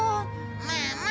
まあまあ。